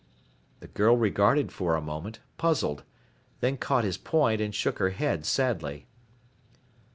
The girl regarded for a moment, puzzled, then caught his point and shook her head sadly.